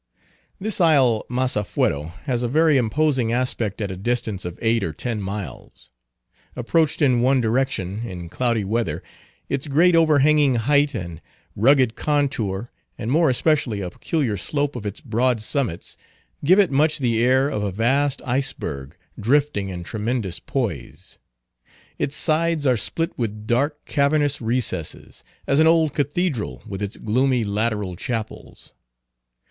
This isle Massafuero has a very imposing aspect at a distance of eight or ten miles. Approached in one direction, in cloudy weather, its great overhanging height and rugged contour, and more especially a peculiar slope of its broad summits, give it much the air of a vast iceberg drifting in tremendous poise. Its sides are split with dark cavernous recesses, as an old cathedral with its gloomy lateral chapels.